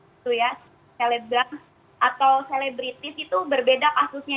itu ya selebgram atau selebritis itu berbeda kasusnya